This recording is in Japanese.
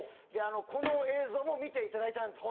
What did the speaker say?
この映像も見ていただいたんです